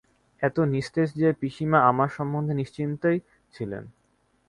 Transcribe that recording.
এত নিস্তেজ যে, পিসিমা আমার সম্বন্ধে নিশ্চিন্তই ছিলেন।